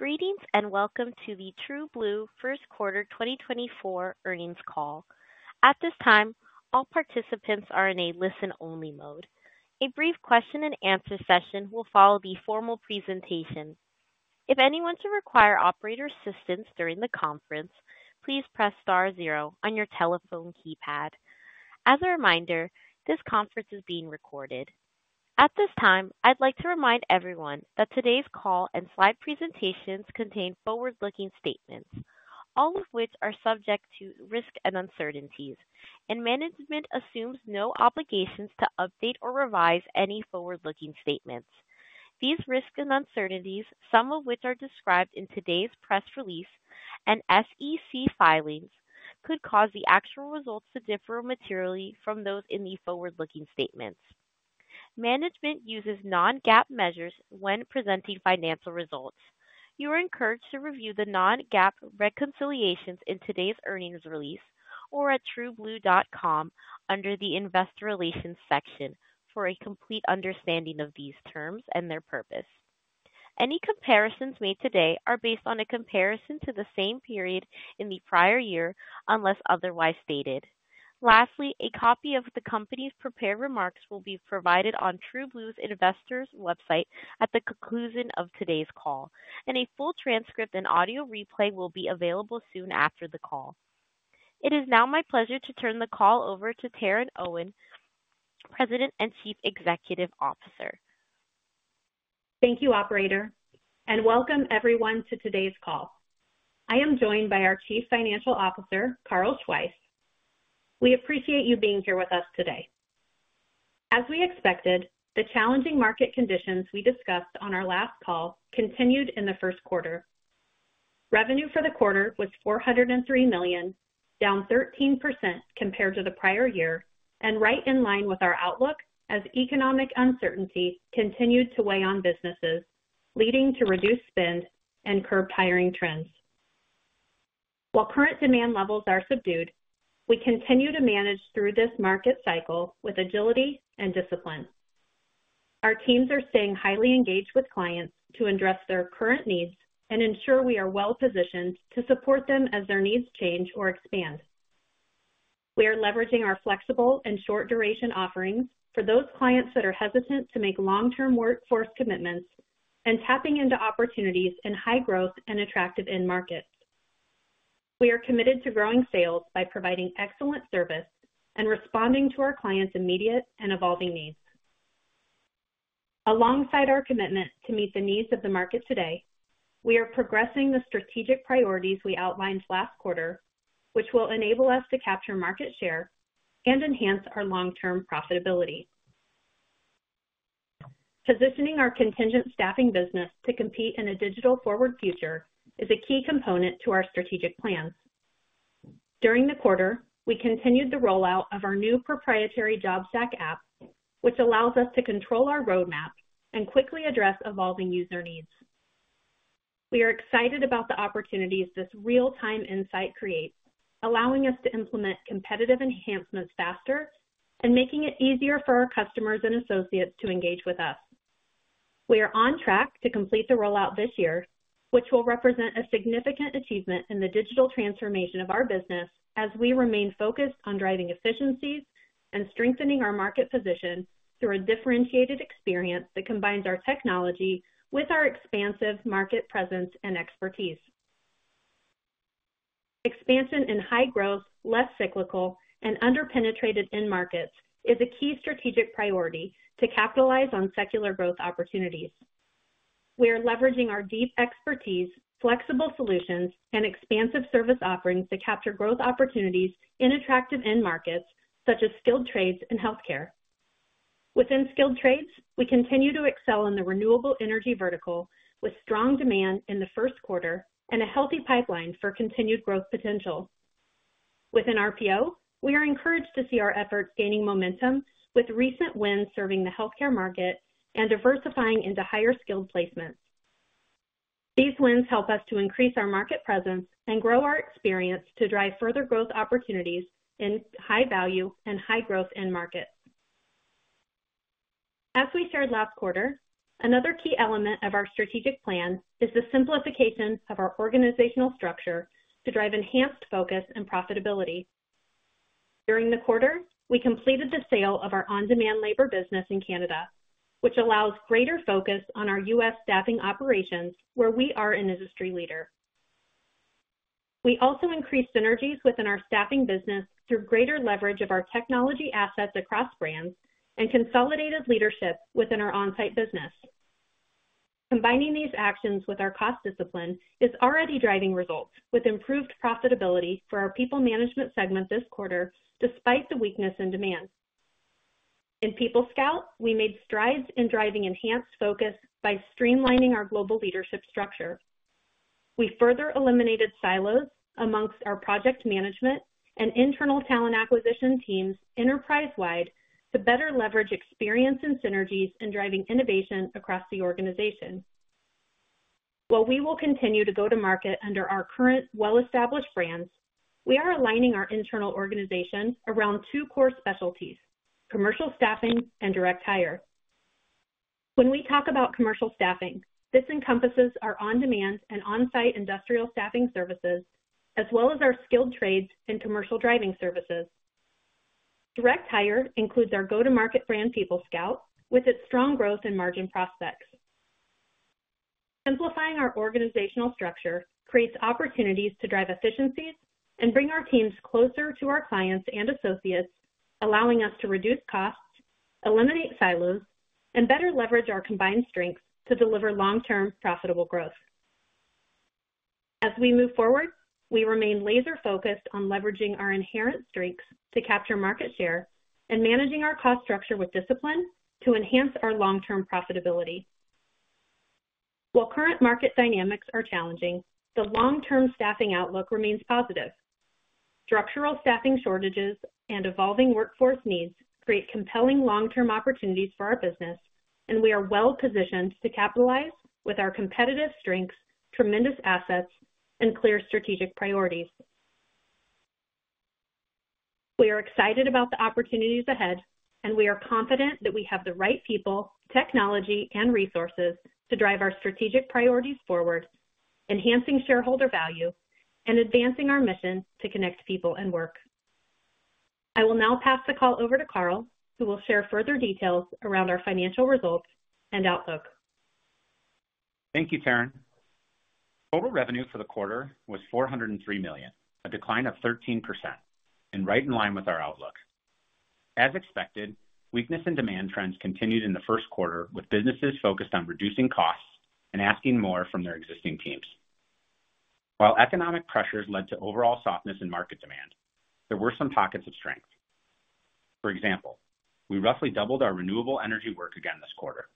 Greetings, and welcome to the TrueBlue first quarter 2024 earnings call. At this time, all participants are in a listen-only mode. A brief question-and-answer session will follow the formal presentation. If anyone should require operator assistance during the conference, please press star zero on your telephone keypad. As a reminder, this conference is being recorded. At this time, I'd like to remind everyone that today's call and slide presentations contain forward-looking statements, all of which are subject to risks and uncertainties, and management assumes no obligations to update or revise any forward-looking statements. These risks and uncertainties, some of which are described in today's press release and SEC filings, could cause the actual results to differ materially from those in the forward-looking statements. Management uses non-GAAP measures when presenting financial results. You are encouraged to review the Non-GAAP reconciliations in today's earnings release or at TrueBlue.com under the Investor Relations section for a complete understanding of these terms and their purpose. Any comparisons made today are based on a comparison to the same period in the prior year, unless otherwise stated. Lastly, a copy of the company's prepared remarks will be provided on TrueBlue's investors website at the conclusion of today's call, and a full transcript and audio replay will be available soon after the call. It is now my pleasure to turn the call over to Taryn Owen, President and Chief Executive Officer. Thank you, Operator, and welcome everyone to today's call. I am joined by our Chief Financial Officer, Carl Schweihs. We appreciate you being here with us today. As we expected, the challenging market conditions we discussed on our last call continued in the first quarter. Revenue for the quarter was $403 million, down 13% compared to the prior year, and right in line with our outlook as economic uncertainty continued to weigh on businesses, leading to reduced spend and curbed hiring trends. While current demand levels are subdued, we continue to manage through this market cycle with agility and discipline. Our teams are staying highly engaged with clients to address their current needs and ensure we are well-positioned to support them as their needs change or expand. We are leveraging our flexible and short-duration offerings for those clients that are hesitant to make long-term workforce commitments and tapping into opportunities in high-growth and attractive end markets. We are committed to growing sales by providing excellent service and responding to our clients' immediate and evolving needs. Alongside our commitment to meet the needs of the market today, we are progressing the strategic priorities we outlined last quarter, which will enable us to capture market share and enhance our long-term profitability. Positioning our contingent staffing business to compete in a digital-forward future is a key component to our strategic plan. During the quarter, we continued the rollout of our new proprietary JobStack app, which allows us to control our roadmap and quickly address evolving user needs. We are excited about the opportunities this real-time insight creates, allowing us to implement competitive enhancements faster and making it easier for our customers and associates to engage with us. We are on track to complete the rollout this year, which will represent a significant achievement in the digital transformation of our business as we remain focused on driving efficiencies and strengthening our market position through a differentiated experience that combines our technology with our expansive market presence and expertise. Expansion in high growth, less cyclical, and underpenetrated end markets is a key strategic priority to capitalize on secular growth opportunities. We are leveraging our deep expertise, flexible solutions, and expansive service offerings to capture growth opportunities in attractive end markets such as skilled trades and healthcare. Within skilled trades, we continue to excel in the renewable energy vertical, with strong demand in the first quarter and a healthy pipeline for continued growth potential. Within RPO, we are encouraged to see our efforts gaining momentum, with recent wins serving the healthcare market and diversifying into higher-skilled placements. These wins help us to increase our market presence and grow our experience to drive further growth opportunities in high-value and high-growth end markets. As we shared last quarter, another key element of our strategic plan is the simplification of our organizational structure to drive enhanced focus and profitability. During the quarter, we completed the sale of our on-demand labor business in Canada, which allows greater focus on our U.S. staffing operations, where we are an industry leader. We also increased synergies within our staffing business through greater leverage of our technology assets across brands and consolidated leadership within our on-site business. Combining these actions with our cost discipline is already driving results, with improved profitability for our PeopleManagement segment this quarter, despite the weakness in demand. In PeopleScout, we made strides in driving enhanced focus by streamlining our global leadership structure. We further eliminated silos among our project management and internal talent acquisition teams enterprise-wide to better leverage experience and synergies in driving innovation across the organization. While we will continue to go to market under our current well-established brands, we are aligning our internal organization around two core specialties: commercial staffing and direct hire. When we talk about commercial staffing, this encompasses our on-demand and on-site industrial staffing services, as well as our skilled trades and commercial driving services. Direct hire includes our go-to-market brand, PeopleScout, with its strong growth and margin prospects. Simplifying our organizational structure creates opportunities to drive efficiencies and bring our teams closer to our clients and associates, allowing us to reduce costs, eliminate silos, and better leverage our combined strengths to deliver long-term profitable growth. As we move forward, we remain laser-focused on leveraging our inherent strengths to capture market share and managing our cost structure with discipline to enhance our long-term profitability. While current market dynamics are challenging, the long-term staffing outlook remains positive. Structural staffing shortages and evolving workforce needs create compelling long-term opportunities for our business, and we are well-positioned to capitalize with our competitive strengths, tremendous assets, and clear strategic priorities. We are excited about the opportunities ahead, and we are confident that we have the right people, technology, and resources to drive our strategic priorities forward, enhancing shareholder value and advancing our mission to connect people and work. I will now pass the call over to Carl, who will share further details around our financial results and outlook. Thank you, Taryn. Total revenue for the quarter was $403 million, a decline of 13%, and right in line with our outlook. As expected, weakness in demand trends continued in the first quarter, with businesses focused on reducing costs and asking more from their existing teams. While economic pressures led to overall softness in market demand, there were some pockets of strength. For example, we roughly doubled our renewable energy work again this quarter.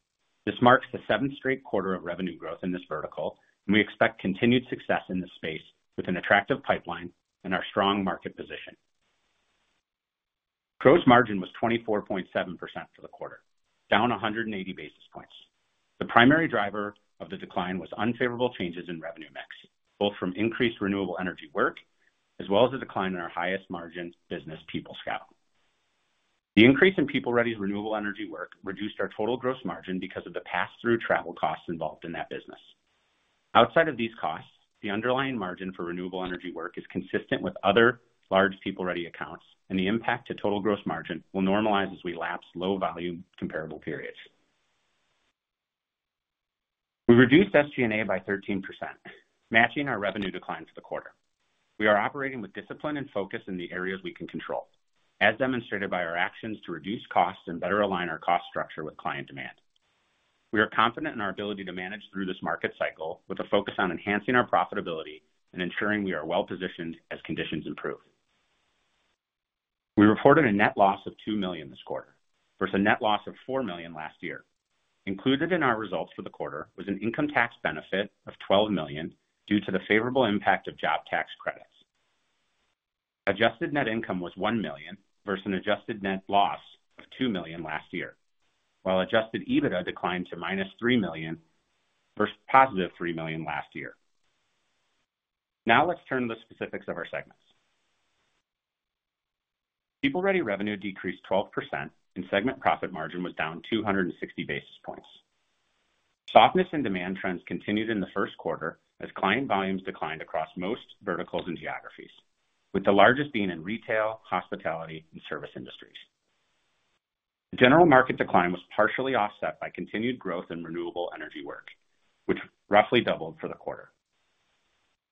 This marks the seventh straight quarter of revenue growth in this vertical, and we expect continued success in this space with an attractive pipeline and our strong market position. Gross margin was 24.7% for the quarter, down 180 basis points. The primary driver of the decline was unfavorable changes in revenue mix, both from increased renewable energy work as well as a decline in our highest margin business, PeopleScout. The increase in PeopleReady's renewable energy work reduced our total gross margin because of the pass-through travel costs involved in that business. Outside of these costs, the underlying margin for renewable energy work is consistent with other large PeopleReady accounts, and the impact to total gross margin will normalize as we lapse low-value comparable periods. We reduced SG&A by 13%, matching our revenue decline for the quarter. We are operating with discipline and focus in the areas we can control, as demonstrated by our actions to reduce costs and better align our cost structure with client demand. We are confident in our ability to manage through this market cycle with a focus on enhancing our profitability and ensuring we are well-positioned as conditions improve. We reported a net loss of $2 million this quarter versus a net loss of $4 million last year. Included in our results for the quarter was an income tax benefit of $12 million due to the favorable impact of job tax credits. Adjusted net income was $1 million versus an adjusted net loss of $2 million last year, while Adjusted EBITDA declined to minus $3 million versus positive $3 million last year. Now let's turn to the specifics of our segments. PeopleReady revenue decreased 12%, and segment profit margin was down 260 basis points. Softness in demand trends continued in the first quarter as client volumes declined across most verticals and geographies, with the largest being in retail, hospitality, and service industries. The general market decline was partially offset by continued growth in renewable energy work, which roughly doubled for the quarter.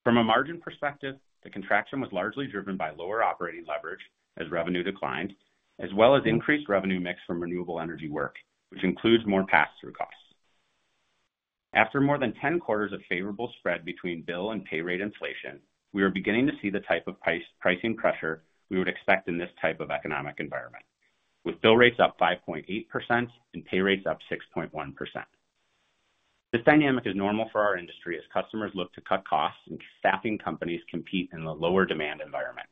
From a margin perspective, the contraction was largely driven by lower operating leverage as revenue declined, as well as increased revenue mix from renewable energy work, which includes more pass-through costs. After more than 10 quarters of favorable spread between bill and pay rate inflation, we are beginning to see the type of pricing pressure we would expect in this type of economic environment, with bill rates up 5.8% and pay rates up 6.1%. This dynamic is normal for our industry as customers look to cut costs and staffing companies compete in the lower demand environment.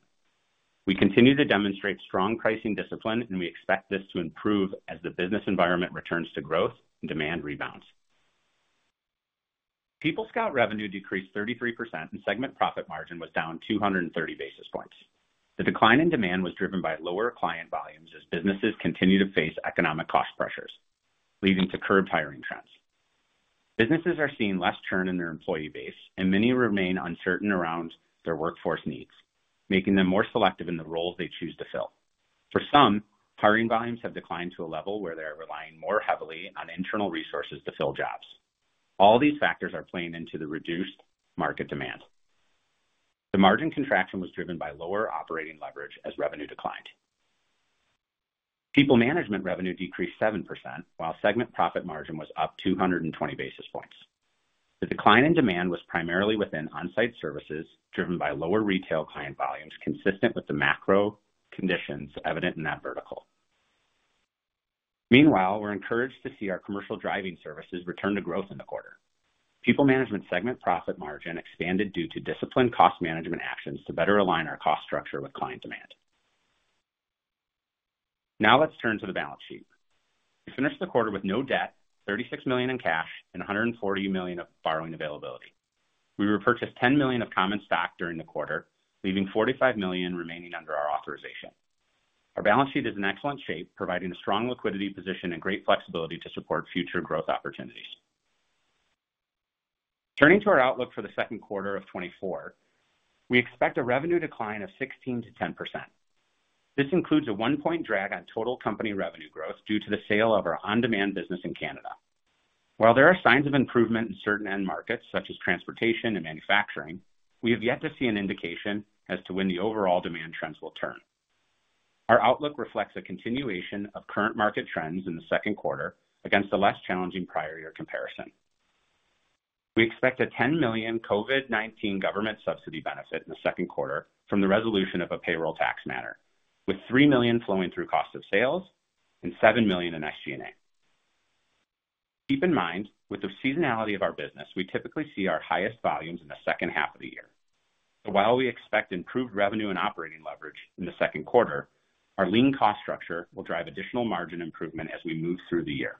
We continue to demonstrate strong pricing discipline, and we expect this to improve as the business environment returns to growth and demand rebounds. PeopleScout revenue decreased 33% and segment profit margin was down 230 basis points. The decline in demand was driven by lower client volumes as businesses continue to face economic cost pressures, leading to curbed hiring trends. Businesses are seeing less churn in their employee base, and many remain uncertain around their workforce needs, making them more selective in the roles they choose to fill. For some, hiring volumes have declined to a level where they are relying more heavily on internal resources to fill jobs. All these factors are playing into the reduced market demand. The margin contraction was driven by lower operating leverage as revenue declined. PeopleManagement revenue decreased 7%, while segment profit margin was up 220 basis points. The decline in demand was primarily within on-site services, driven by lower retail client volumes, consistent with the macro conditions evident in that vertical. Meanwhile, we're encouraged to see our commercial driving services return to growth in the quarter. PeopleManagement segment profit margin expanded due to disciplined cost management actions to better align our cost structure with client demand. Now let's turn to the balance sheet... We finished the quarter with no debt, $36 million in cash, and $140 million of borrowing availability. We repurchased $10 million of common stock during the quarter, leaving $45 million remaining under our authorization. Our balance sheet is in excellent shape, providing a strong liquidity position and great flexibility to support future growth opportunities. Turning to our outlook for the second quarter of 2024, we expect a revenue decline of 16%-10%. This includes a 1-point drag on total company revenue growth due to the sale of our on-demand business in Canada. While there are signs of improvement in certain end markets, such as transportation and manufacturing, we have yet to see an indication as to when the overall demand trends will turn. Our outlook reflects a continuation of current market trends in the second quarter against a less challenging prior year comparison. We expect a $10 million COVID-19 government subsidy benefit in the second quarter from the resolution of a payroll tax matter, with $3 million flowing through cost of sales and $7 million in SG&A. Keep in mind, with the seasonality of our business, we typically see our highest volumes in the second half of the year. While we expect improved revenue and operating leverage in the second quarter, our lean cost structure will drive additional margin improvement as we move through the year.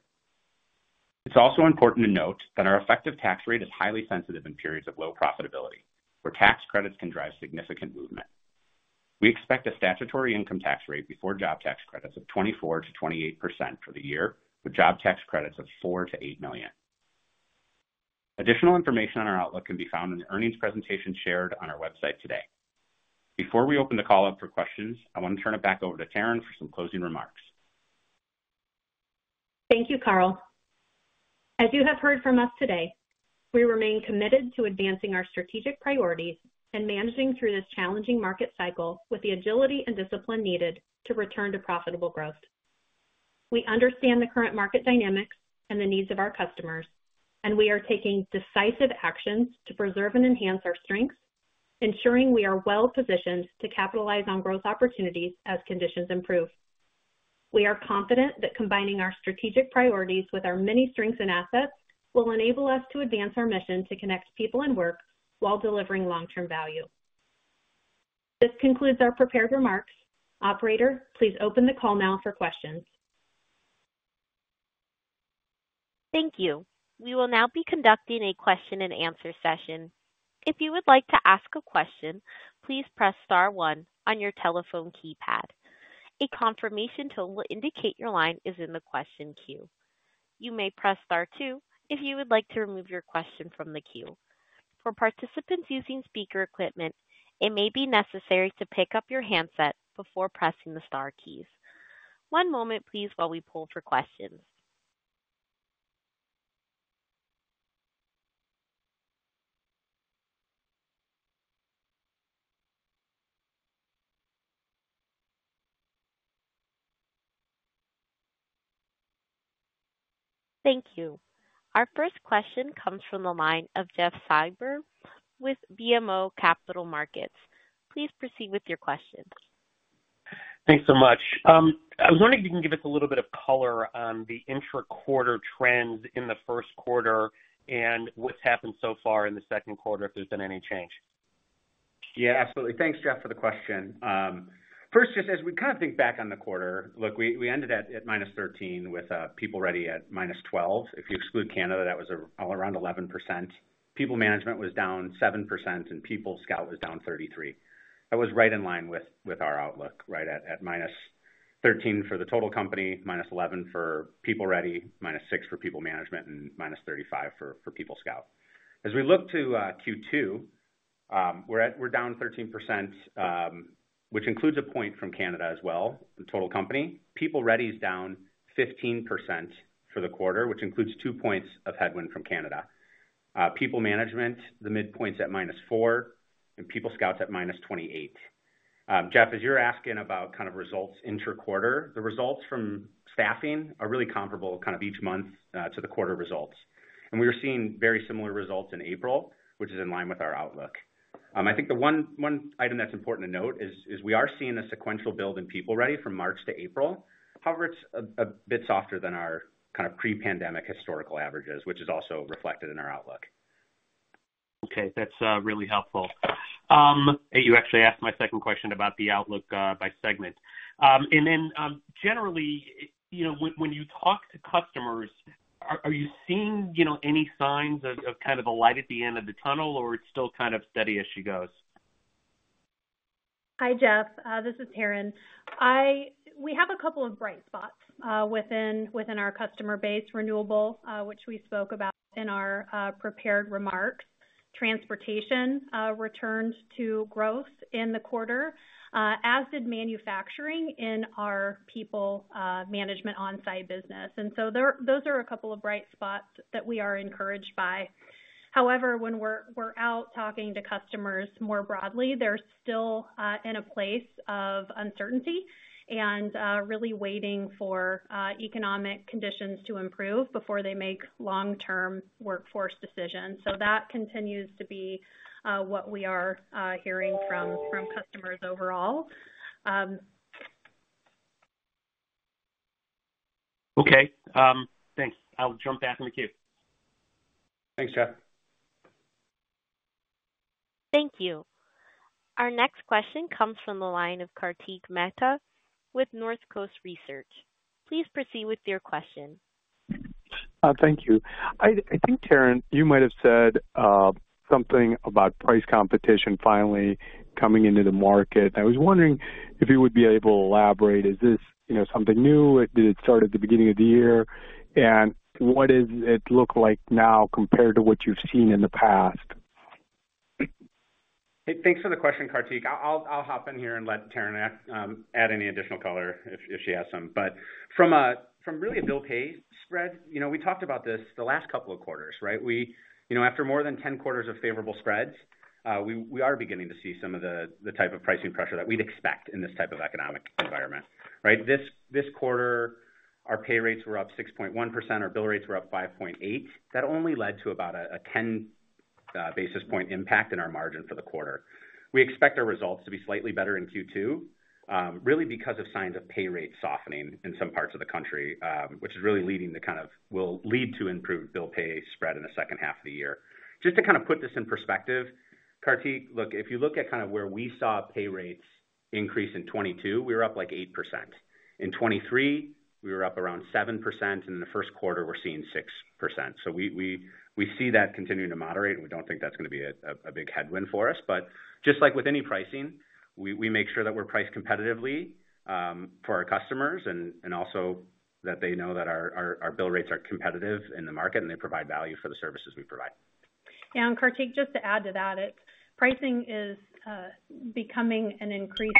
It's also important to note that our effective tax rate is highly sensitive in periods of low profitability, where tax credits can drive significant movement. We expect a statutory income tax rate before job tax credits of 24%-28% for the year, with job tax credits of $4 million-$8 million. Additional information on our outlook can be found in the earnings presentation shared on our website today. Before we open the call up for questions, I want to turn it back over to Taryn for some closing remarks. Thank you, Carl. As you have heard from us today, we remain committed to advancing our strategic priorities and managing through this challenging market cycle with the agility and discipline needed to return to profitable growth. We understand the current market dynamics and the needs of our customers, and we are taking decisive actions to preserve and enhance our strengths, ensuring we are well positioned to capitalize on growth opportunities as conditions improve. We are confident that combining our strategic priorities with our many strengths and assets will enable us to advance our mission to connect people and work while delivering long-term value. This concludes our prepared remarks. Operator, please open the call now for questions. Thank you. We will now be conducting a question-and-answer session. If you would like to ask a question, please press star one on your telephone keypad. A confirmation tone will indicate your line is in the question queue. You may press star two if you would like to remove your question from the queue. For participants using speaker equipment, it may be necessary to pick up your handset before pressing the star keys. One moment, please, while we pull for questions. Thank you. Our first question comes from the line of Jeff Silber with BMO Capital Markets. Please proceed with your question. Thanks so much. I was wondering if you can give us a little bit of color on the intra-quarter trends in the first quarter and what's happened so far in the second quarter, if there's been any change? Yeah, absolutely. Thanks, Jeff, for the question. First, just as we kind of think back on the quarter, look, we, we ended at -13%, with PeopleReady at -12%. If you exclude Canada, that was all around 11%. PeopleManagement was down 7%, and PeopleScout was down 33%. That was right in line with our outlook, right at -13% for the total company, -11% for PeopleReady, -6% for PeopleManagement, and -35% for PeopleScout. As we look to Q2, we're down 13%, which includes one point from Canada as well, the total company. PeopleReady is down 15% for the quarter, which includes two points of headwind from Canada. PeopleManagement, the midpoint's at -4%, and PeopleScout's at -28%. Jeff, as you're asking about kind of results inter quarter, the results from staffing are really comparable, kind of each month, to the quarter results. We are seeing very similar results in April, which is in line with our outlook. I think the one item that's important to note is we are seeing a sequential build in PeopleReady from March to April. However, it's a bit softer than our kind of pre-pandemic historical averages, which is also reflected in our outlook. Okay, that's really helpful. And you actually asked my second question about the outlook, by segment. And then, generally, you know, when you talk to customers, are you seeing, you know, any signs of kind of a light at the end of the tunnel, or it's still kind of steady as she goes? Hi, Jeff, this is Taryn. We have a couple of bright spots within our customer base. Renewable, which we spoke about in our prepared remarks. Transportation returned to growth in the quarter, as did manufacturing in our PeopleManagement on-site business. And so those are a couple of bright spots that we are encouraged by. However, when we're out talking to customers more broadly, they're still in a place of uncertainty and really waiting for economic conditions to improve before they make long-term workforce decisions. So that continues to be what we are hearing from customers overall. Okay, thanks. I'll jump back in the queue. Thanks, Jeff.... Thank you. Our next question comes from the line of Kartik Mehta with Northcoast Research. Please proceed with your question. Thank you. I think, Taryn, you might have said something about price competition finally coming into the market. I was wondering if you would be able to elaborate. Is this, you know, something new? Did it start at the beginning of the year? What does it look like now compared to what you've seen in the past? Hey, thanks for the question, Kartik. I'll, I'll hop in here and let Taryn add any additional color if, if she has some. But from a, from really a bill pay spread, you know, we talked about this the last couple of quarters, right? We, you know, after more than 10 quarters of favorable spreads, we are beginning to see some of the, the type of pricing pressure that we'd expect in this type of economic environment, right? This, this quarter, our pay rates were up 6.1%, our bill rates were up 5.8. That only led to about a, a 10 basis point impact in our margin for the quarter. We expect our results to be slightly better in Q2, really because of signs of pay rates softening in some parts of the country, which is really leading to kind of will lead to improved bill pay spread in the second half of the year. Just to kind of put this in perspective, Kartik, look, if you look at kind of where we saw pay rates increase in 2022, we were up, like, 8%. In 2023, we were up around 7%, and in the first quarter, we're seeing 6%. So we see that continuing to moderate, and we don't think that's gonna be a big headwind for us. But just like with any pricing, we make sure that we're priced competitively for our customers and also that they know that our bill rates are competitive in the market, and they provide value for the services we provide. Yeah, and Kartik, just to add to that, pricing is becoming an increased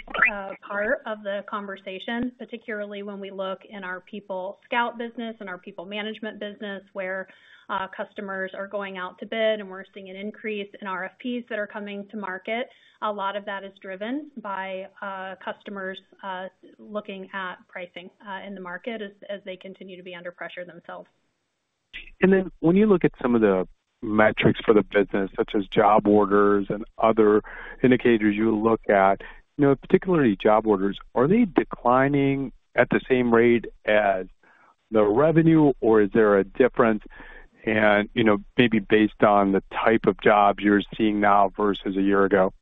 part of the conversation, particularly when we look in our PeopleScout business and our PeopleManagement business, where customers are going out to bid, and we're seeing an increase in RFPs that are coming to market. A lot of that is driven by customers looking at pricing in the market as they continue to be under pressure themselves. Then when you look at some of the metrics for the business, such as job orders and other indicators you look at, you know, particularly job orders, are they declining at the same rate as the revenue, or is there a difference? You know, maybe based on the type of jobs you're seeing now versus a year ago.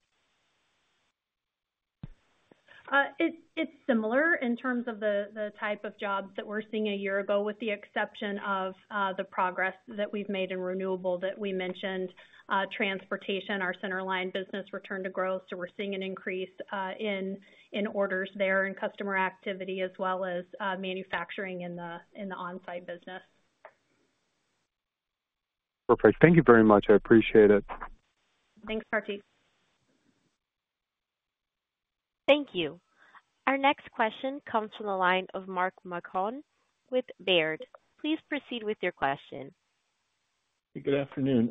It's similar in terms of the type of jobs that we're seeing a year ago, with the exception of the progress that we've made in renewable that we mentioned, transportation. Our Centerline business returned to growth, so we're seeing an increase in orders there and customer activity, as well as manufacturing in the on-site business. Perfect. Thank you very much. I appreciate it. Thanks, Kartik. Thank you. Our next question comes from the line of Mark Marcon with Baird. Please proceed with your question. Good afternoon.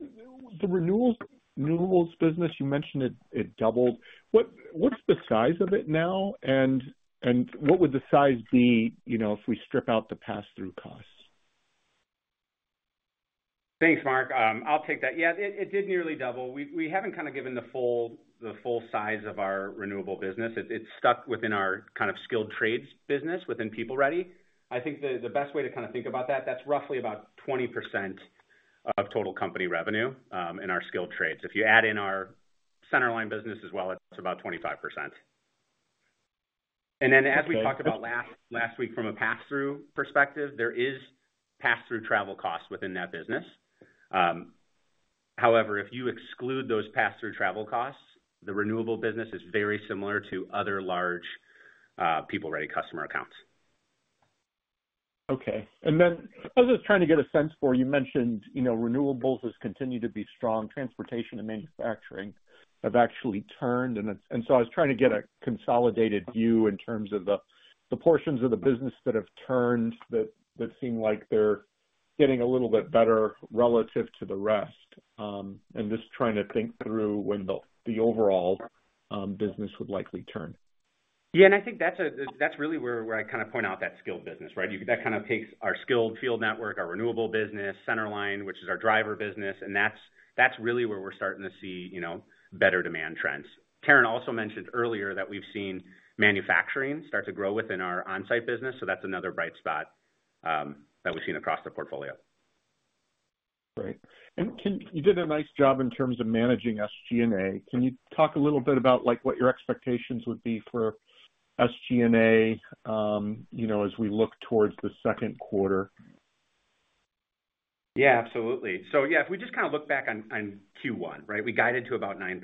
The renewables, renewables business, you mentioned it, it doubled. What's the size of it now? And what would the size be, you know, if we strip out the pass-through costs? Thanks, Mark. I'll take that. Yeah, it did nearly double. We haven't given the full size of our renewable business. It's stuck within our skilled trades business, within PeopleReady. I think the best way to think about that, that's roughly about 20% of total company revenue in our skilled trades. If you add in our Centerline business as well, it's about 25%. And then, as we talked about last week, from a passthrough perspective, there is passthrough travel costs within that business. However, if you exclude those passthrough travel costs, the renewable business is very similar to other large PeopleReady customer accounts. Okay. And then I was just trying to get a sense for, you mentioned, you know, renewables has continued to be strong. Transportation and manufacturing have actually turned, and it's, and so I was trying to get a consolidated view in terms of the portions of the business that have turned, that seem like they're getting a little bit better relative to the rest. And just trying to think through when the overall business would likely turn. Yeah, and I think that's really where I kind of point out that skilled business, right? That kind of takes our skilled field network, our renewable business, Centerline, which is our driver business, and that's really where we're starting to see, you know, better demand trends. Taryn also mentioned earlier that we've seen manufacturing start to grow within our on-site business, so that's another bright spot that we've seen across the portfolio. Great. You did a nice job in terms of managing SG&A. Can you talk a little bit about, like, what your expectations would be for SG&A, you know, as we look towards the second quarter? Yeah, absolutely. So yeah, if we just kind of look back on Q1, right? We guided to about 9%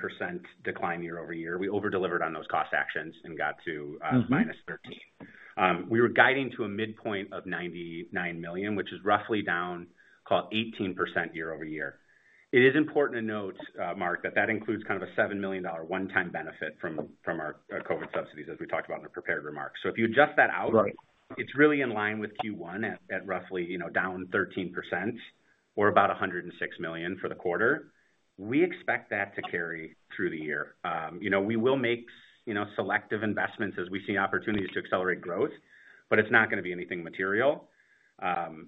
decline YoY. We over-delivered on those cost actions and got to, Mm-hmm. -13. We were guiding to a midpoint of $99 million, which is roughly down call it 18% YoY. It is important to note, Mark, that that includes kind of a $7 million one-time benefit from our COVID subsidies, as we talked about in the prepared remarks. So if you adjust that out- Right. - It's really in line with Q1 at roughly, you know, down 13% or about $106 million for the quarter. We expect that to carry through the year. You know, we will make, you know, selective investments as we see opportunities to accelerate growth, but it's not gonna be anything material.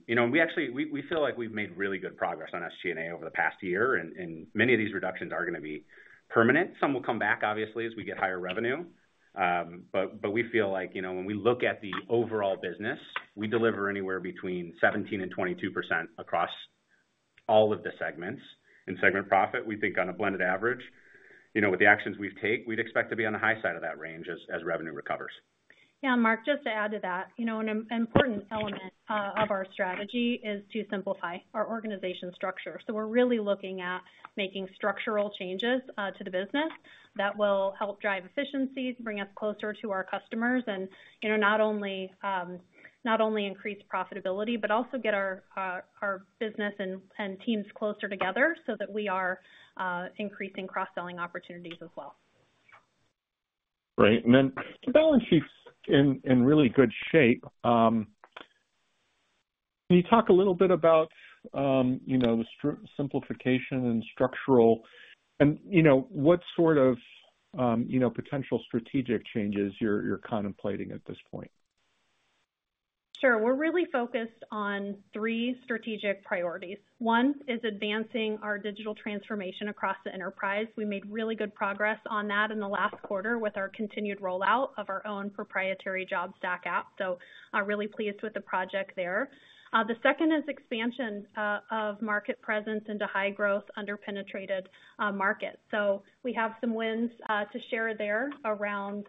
You know, we actually, we feel like we've made really good progress on SG&A over the past year, and many of these reductions are gonna be permanent. Some will come back, obviously, as we get higher revenue. But we feel like, you know, when we look at the overall business, we deliver anywhere between 17%-22% across...... all of the segments. In segment profit, we think on a blended average, you know, with the actions we've take, we'd expect to be on the high side of that range as revenue recovers. Yeah, Mark, just to add to that, you know, an important element of our strategy is to simplify our organization structure. So we're really looking at making structural changes to the business that will help drive efficiencies, bring us closer to our customers, and, you know, not only increase profitability, but also get our business and teams closer together so that we are increasing cross-selling opportunities as well. Great. And then the balance sheet's in really good shape. Can you talk a little bit about, you know, the simplification and structural and, you know, what sort of, you know, potential strategic changes you're contemplating at this point? Sure. We're really focused on three strategic priorities. One is advancing our digital transformation across the enterprise. We made really good progress on that in the last quarter with our continued rollout of our own proprietary JobStack app, so, really pleased with the project there. The second is expansion of market presence into high-growth, under-penetrated markets. So we have some wins to share there around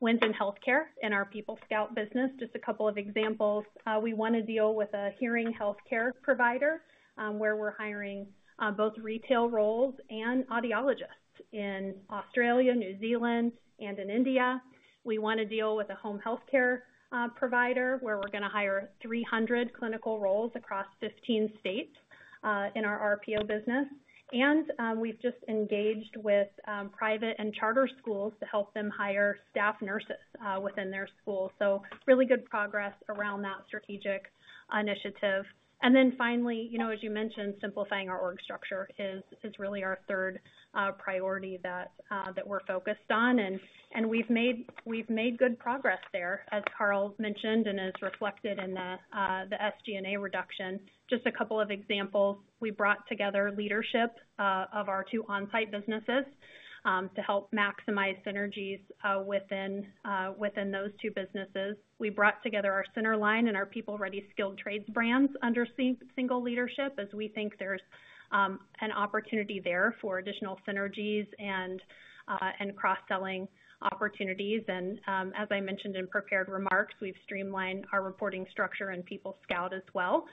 wins in healthcare in our PeopleScout business. Just a couple of examples: we won a deal with a hearing healthcare provider, where we're hiring both retail roles and audiologists in Australia, New Zealand, and in India. We won a deal with a home healthcare provider, where we're going to hire 300 clinical roles across 15 states in our RPO business. We've just engaged with private and charter schools to help them hire staff nurses within their school. So really good progress around that strategic initiative. And then finally, you know, as you mentioned, simplifying our org structure is really our third priority that we're focused on. And we've made good progress there, as Carl mentioned, and is reflected in the SG&A reduction. Just a couple of examples. We brought together leadership of our two onsite businesses to help maximize synergies within those two businesses. We brought together our Centerline and our PeopleReady Skilled Trades brands under single leadership, as we think there's an opportunity there for additional synergies and cross-selling opportunities. As I mentioned in prepared remarks, we've streamlined our reporting structure in PeopleScout as well,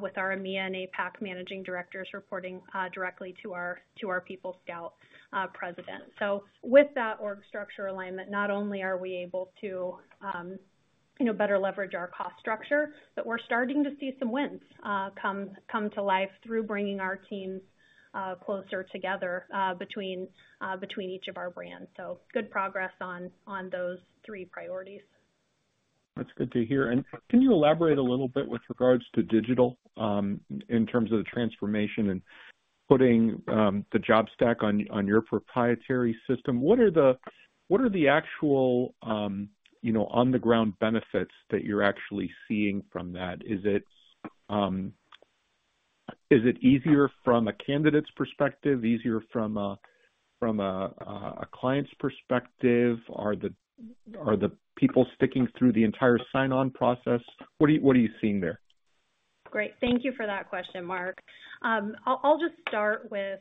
with our EMEA and APAC managing directors reporting directly to our PeopleScout president. So with that org structure alignment, not only are we able to, you know, better leverage our cost structure, but we're starting to see some wins come to life through bringing our teams closer together between each of our brands. So good progress on those three priorities. That's good to hear. Can you elaborate a little bit with regards to digital in terms of the transformation and putting the JobStack on your proprietary system? What are the actual, you know, on-the-ground benefits that you're actually seeing from that? Is it easier from a candidate's perspective, easier from a client's perspective? Are the people sticking through the entire sign-on process? What are you seeing there? Great. Thank you for that question, Mark. I'll just start with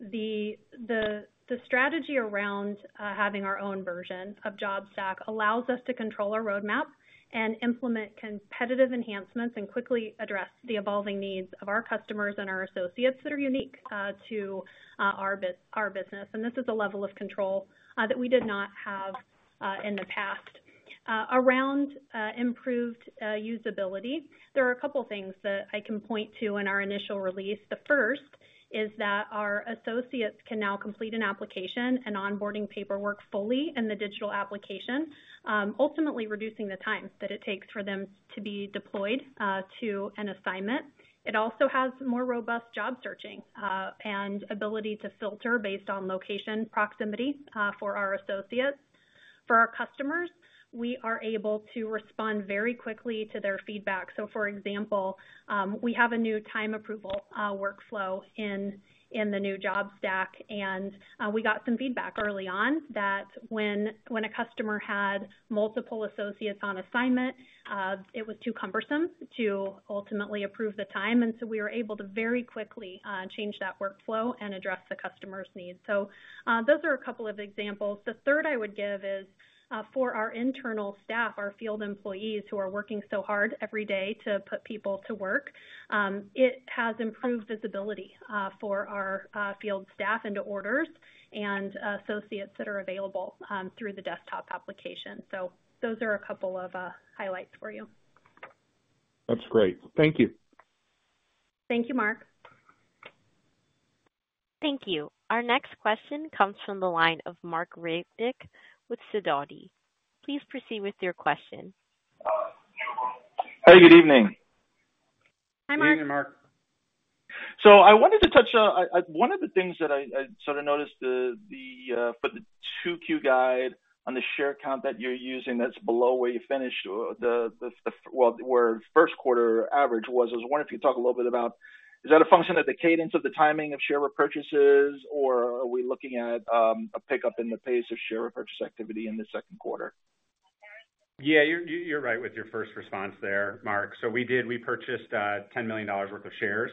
the strategy around having our own version of JobStack allows us to control our roadmap and implement competitive enhancements, and quickly address the evolving needs of our customers and our associates that are unique to our business. This is a level of control that we did not have in the past. Around improved usability, there are a couple things that I can point to in our initial release. The first is that our associates can now complete an application and onboarding paperwork fully in the digital application, ultimately reducing the time that it takes for them to be deployed to an assignment. It also has more robust job searching, and ability to filter based on location proximity, for our associates. For our customers, we are able to respond very quickly to their feedback. So for example, we have a new time approval workflow in the new JobStack, and we got some feedback early on that when a customer had multiple associates on assignment, it was too cumbersome to ultimately approve the time. And so we were able to very quickly change that workflow and address the customer's needs. So, those are a couple of examples. The third I would give is for our internal staff, our field employees, who are working so hard every day to put people to work. It has improved visibility for our field staff into orders and associates that are available through the desktop application. So those are a couple of highlights for you. That's great. Thank you. Thank you, Mark. Thank you. Our next question comes from the line of Marc Riddick with Sidoti. Please proceed with your question. Hey, good evening. Hi, Marc. Good evening, Marc. So I wanted to touch on one of the things that I sort of noticed, the 2Q guide on the share count that you're using, that's below where you finished, well, where first quarter average was. I was wondering if you could talk a little bit about, is that a function of the cadence of the timing of share repurchases, or are we looking at a pickup in the pace of share repurchase activity in the second quarter?... Yeah, you're, you're right with your first response there, Marc. So we did, we purchased $10 million worth of shares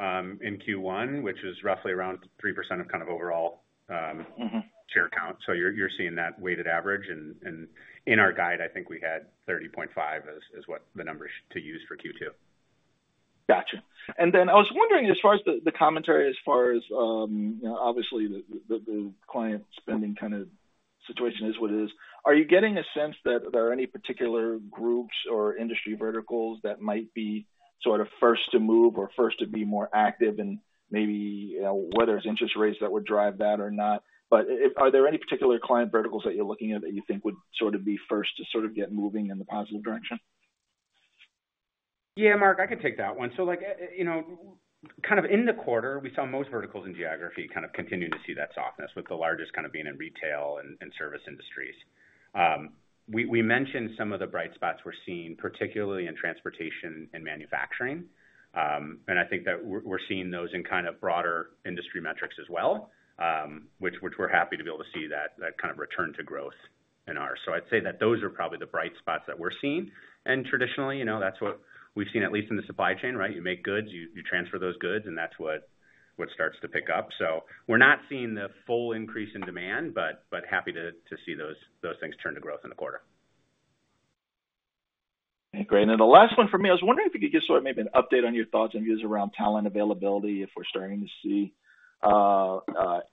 in Q1, which is roughly around 3% of kind of overall share count. So you're, you're seeing that weighted average. And, and in our guide, I think we had 30.5 as what the numbers to use for Q2. Gotcha. And then I was wondering, as far as the client spending kind of situation is what it is. Are you getting a sense that there are any particular groups or industry verticals that might be sort of first to move or first to be more active, and maybe, you know, whether it's interest rates that would drive that or not? Are there any particular client verticals that you're looking at that you think would sort of be first to sort of get moving in the positive direction? Yeah, Marc, I can take that one. So like, you know, kind of in the quarter, we saw most verticals in geography kind of continuing to see that softness, with the largest kind of being in retail and service industries. We mentioned some of the bright spots we're seeing, particularly in transportation and manufacturing. And I think that we're seeing those in kind of broader industry metrics as well, which we're happy to be able to see that kind of return to growth in our... So I'd say that those are probably the bright spots that we're seeing. And traditionally, you know, that's what we've seen, at least in the supply chain, right? You make goods, you transfer those goods, and that's what starts to pick up. So we're not seeing the full increase in demand, but happy to see those things turn to growth in the quarter. Okay, great. And then the last one for me. I was wondering if you could give sort of maybe an update on your thoughts and views around talent availability, if we're starting to see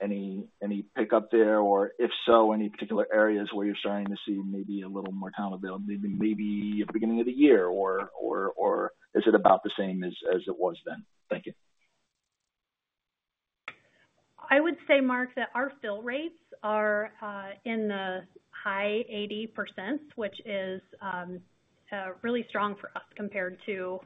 any pickup there? Or if so, any particular areas where you're starting to see maybe a little more talent availability, maybe at the beginning of the year, or is it about the same as it was then? Thank you. I would say, Marc, that our fill rates are in the high 80%, which is really strong for us compared to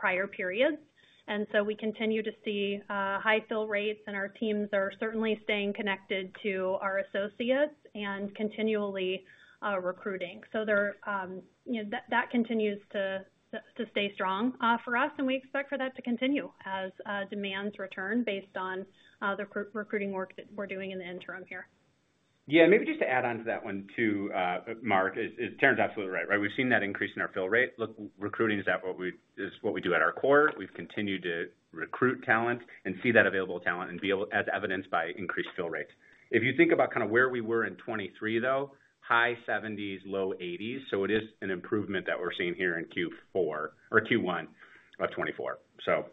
prior periods. And so we continue to see high fill rates, and our teams are certainly staying connected to our associates and continually recruiting. So there, you know, that continues to stay strong for us, and we expect for that to continue as demands return based on the recruiting work that we're doing in the interim here. Yeah, maybe just to add on to that one, too, Marc, is, is Taryn's absolutely right, right? We've seen that increase in our fill rate. Look, recruiting is what we do at our core. We've continued to recruit talent and see that available talent and be able... as evidenced by increased fill rates. If you think about kind of where we were in 2023, though, high 70s, low 80s, so it is an improvement that we're seeing here in Q4 or Q1 of 2024. So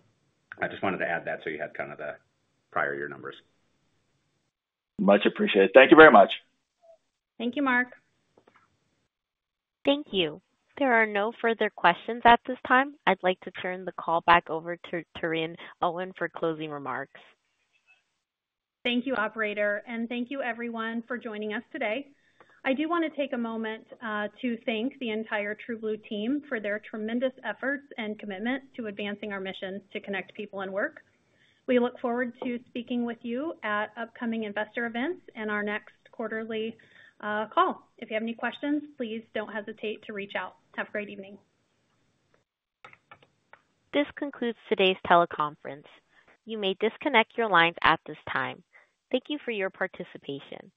I just wanted to add that so you had kind of the prior year numbers. Much appreciated. Thank you very much. Thank you, Marc. Thank you. There are no further questions at this time. I'd like to turn the call back over to Taryn Owen for closing remarks. Thank you, operator, and thank you everyone for joining us today. I do want to take a moment to thank the entire TrueBlue team for their tremendous efforts and commitment to advancing our mission to connect people and work. We look forward to speaking with you at upcoming investor events and our next quarterly call. If you have any questions, please don't hesitate to reach out. Have a great evening. This concludes today's teleconference. You may disconnect your lines at this time. Thank you for your participation.